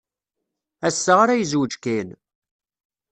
Ass-a ara yezweǧ Kan.